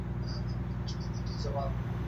ښوونه او روزنه د هر ماسوم حق دی.